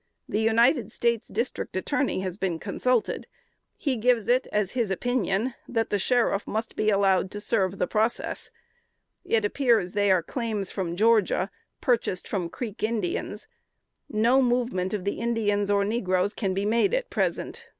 The United States District Attorney has been consulted. He gives it as his opinion, that the Sheriff must be allowed to serve the process. It appears they are claims from Georgia, purchased from Creek Indians. No movement of the Indians or negroes can be made at present.